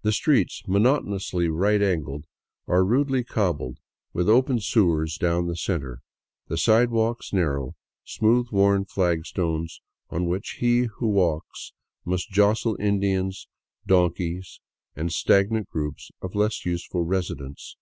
The streets, monotonously right angled, are rudely cobbled, with open sewers down the center, the sidewalks narrow, smooth worn flagstones on which he who would walk must jostle Indians, donkeys, and stagnant groups of less useful residents.